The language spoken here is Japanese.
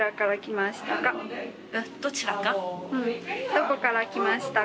どこから来ましたか？